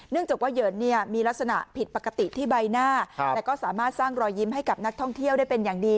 จากว่าเหยินเนี่ยมีลักษณะผิดปกติที่ใบหน้าแต่ก็สามารถสร้างรอยยิ้มให้กับนักท่องเที่ยวได้เป็นอย่างดี